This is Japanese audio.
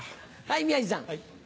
はい宮治さん。